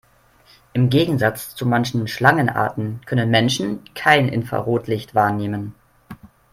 Im Gegensatz zu manchen Schlangenarten können Menschen kein Infrarotlicht wahrnehmen.